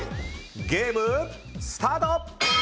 ゲームスタート！